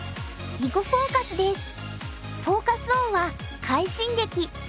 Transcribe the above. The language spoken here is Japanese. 「囲碁フォーカス」です。